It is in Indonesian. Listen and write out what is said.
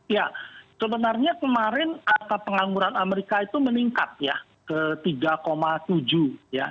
ya sebenarnya kemarin angka pengangguran amerika itu meningkat ya ke tiga tujuh ya